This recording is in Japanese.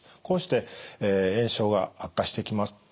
こうして炎症が悪化してきます。